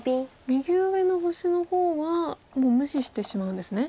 右上の星の方はもう無視してしまうんですね。